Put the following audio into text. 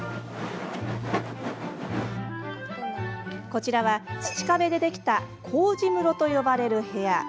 こちらは土壁でできたこうじ室と呼ばれる部屋。